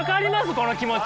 この気持ち。